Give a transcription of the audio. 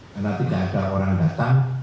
karena tidak ada orang datang